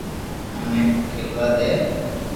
اوني کھيلوا دي